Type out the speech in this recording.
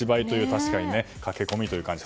確かに駆け込みという感じ。